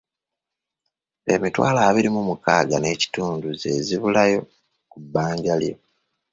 Emitwalo abiri mu mukaaaga n’ekitundu ze zibulayo ku bbanja lyo.